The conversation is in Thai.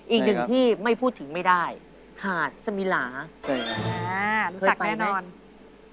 อีกหนึ่งที่ไม่พูดถึงไม่ได้หาดสมิลารู้จักแน่นอนใช่ไหม